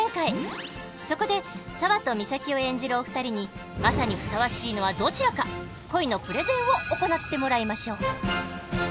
そこで沙和と美咲を演じるお二人にマサにふさわしいのはどちらか恋のプレゼンを行ってもらいましょう！